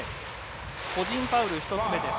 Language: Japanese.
個人ファウル１つ目です。